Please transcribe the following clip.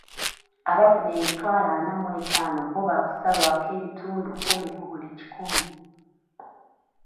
Abafuna emitwalo ana mw'etaano bbo baakusalwako ebitundu kumi ku buli kikumi.